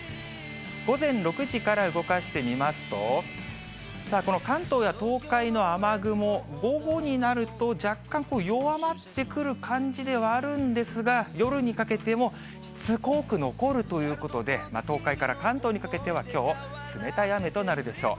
午前６時から動かしてみますと、さあ、この関東や東海の雨雲、午後になると、若干弱まってくる感じではあるんですが、夜にかけてもしつこく残るということで、東海から関東にかけてはきょう、冷たい雨となるでしょう。